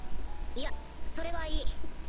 いやそれはいい。